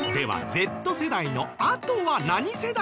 Ｚ世代のあと何世代？